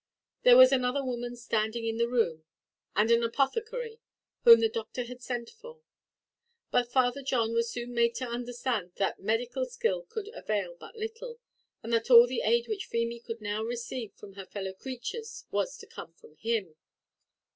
There was another woman standing in the room, and an apothecary, whom the doctor had sent for; but Father John was soon made to understand that medical skill could avail but little, and that all the aid which Feemy could now receive from her fellow creatures was to come from him.